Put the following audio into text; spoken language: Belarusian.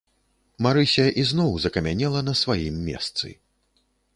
Марыся ізноў закамянела на сваім месцы.